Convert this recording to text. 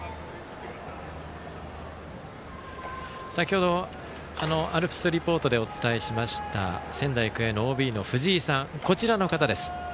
先ほど、アルプスリポートでお伝えしました仙台育英のＯＢの藤井さん。